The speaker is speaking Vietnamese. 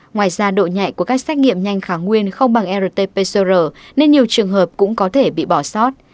ngoài ra độ nhạy của các xét nghiệm nhanh khả nguyên không bằng rt pcr nên nhiều trường hợp cũng có thể bị bỏ sót